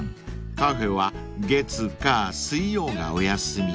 カフェは月火水曜がお休み］